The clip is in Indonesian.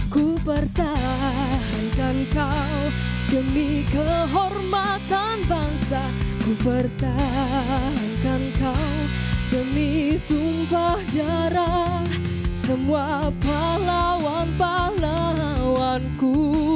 ku pertahankan kau demi kehormatan bangsa ku pertahankan kau demi tumpah darah semua pahlawan pahlawanku